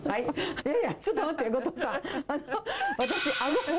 いやいや、ちょっと待って、後藤さん。